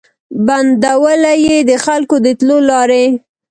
بندولې یې د خلکو د تلو لاري